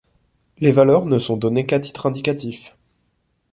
Les valeurs ne sont données qu'à titre indicatif.